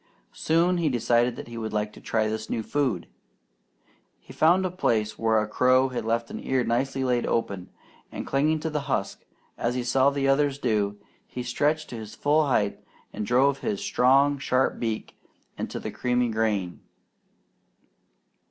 Soon he decided that he would like to try this new food. He found a place where a crow had left an ear nicely laid open, and clinging to the husk, as he saw the others do, he stretched to his full height and drove his strong sharp beak into the creamy grain.